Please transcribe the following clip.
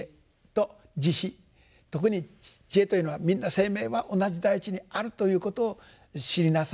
特に智慧というのはみんな生命は同じ大地にあるということを知りなさい。